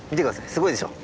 すごいでしょ。